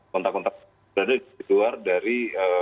kontak kontak berada di luar dari